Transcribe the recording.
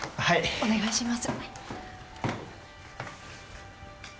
お願いします。